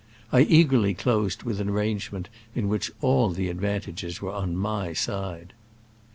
1 eagerly closed with an arrangement in which all the advantages were upon my side.